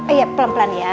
iya pelan pelan ya